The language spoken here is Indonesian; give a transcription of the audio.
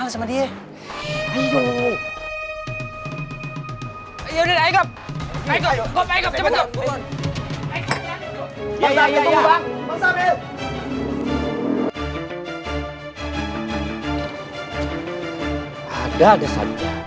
ada ada saja